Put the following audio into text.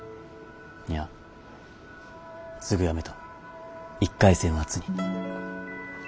いやすぐやめた１回生の夏に。